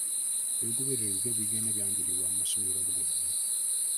Ebigobererwa ebipya bigenda byanjulibwa mu masomero gonna.